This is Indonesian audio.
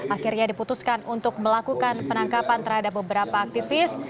akhirnya diputuskan untuk melakukan penangkapan terhadap beberapa aktivis